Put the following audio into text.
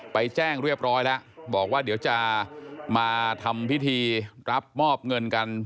ไปแจ้งเรียบร้อยแล้วบอกว่าเดี๋ยวจะมาทำพิธีรับมอบเงินกัน